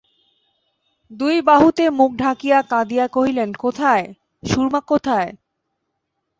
দুই বাহুতে মুখ ঢাকিয়া কাঁদিয়া কহিলেন, কোথায়, সুরমা কোথায়।